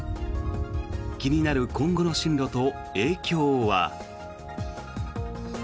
気になる今後の進路と影響は。